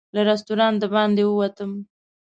له رسټورانټ د باندې ووتم.